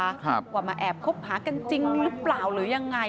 ครับว่ามาแอบคบหากันจริงหรือเปล่าหรือยังไง